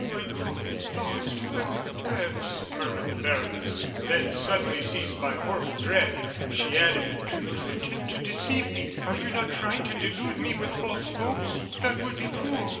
"My God, Thou hast heard my prayers!" murmured the baroness. Then, suddenly seized by a horrible dread, she added: "Do not attempt to deceive me. Are you not trying to delude me with false hopes? That would be cruel!"